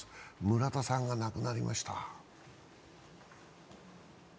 村田さんが亡くなりました。